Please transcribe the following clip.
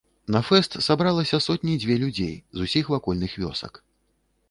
На фэст сабралася сотні дзве людзей з усіх вакольных вёсак.